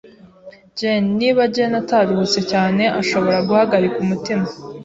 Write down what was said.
[S] [Jane] Niba Jane ataruhutse cyane, ashobora guhagarika umutima.